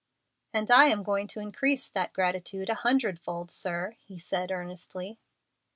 "And I am going to increase that gratitude a hundred fold, sir," he said, earnestly.